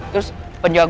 terus penjaga gue pak